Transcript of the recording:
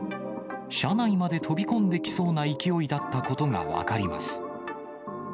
車内まで飛び込んできそうな勢いだったことが分かります。